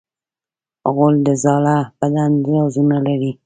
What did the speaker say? غول د زاړه بدن رازونه لري.